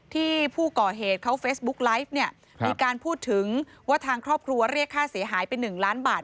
ที่ผู้ก่อเหตุเขาเฟซบุ๊กไลฟ์เนี่ยมีการพูดถึงว่าทางครอบครัวเรียกค่าเสียหายไป๑ล้านบาท